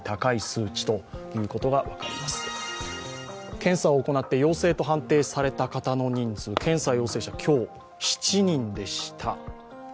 検査を行って陽性と判定された方の人数、検査陽性者、今日７人でした。